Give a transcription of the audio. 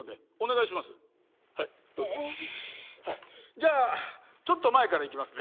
じゃあちょっと前からいきますね。